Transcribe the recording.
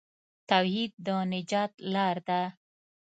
توحید د نجات لار ده.